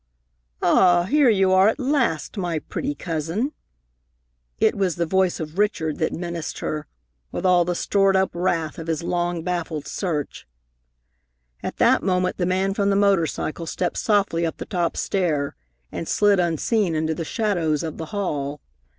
"Ah, here you are at last, my pretty cousin!" It was the voice of Richard that menaced her, with all the stored up wrath of his long baffled search. At that moment the man from the motor cycle stepped softly up the top stair and slid unseen into the shadows of the hall.